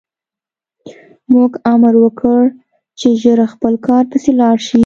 موږ امر وکړ چې ژر خپل کار پسې لاړ شي